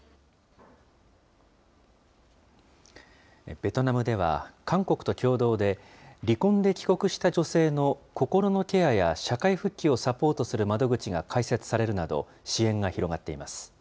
ベトナムでは、韓国と共同で、離婚で帰国した女性の心のケアや社会復帰をサポートする窓口が開設されるなど、支援が広がっています。